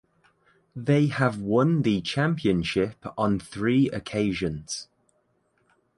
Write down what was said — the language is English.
They have won the championship on three occasions.